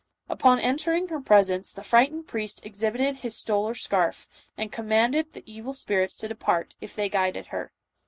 Upon entering her presence, the frightened priest exhibited his stole or scarf, and commanded the evil spirits to de part, if they guided her.